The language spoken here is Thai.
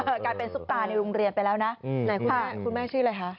กลายเป็นซุปตาในโรงเรียนไปแล้วนะไหนคุณแม่คุณแม่ชื่ออะไรคะ